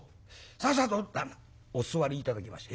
「さあさあどうぞ旦那お座り頂きまして。